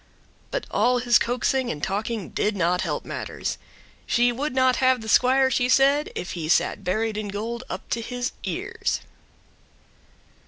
But all his coaxing and talking did not help matters. She would not have the squire, she said, if he sat buried in gold up to his ears.